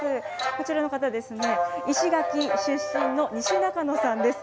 こちらの方ですね、石垣出身の西仲野さんです。